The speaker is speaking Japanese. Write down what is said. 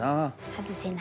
外せない。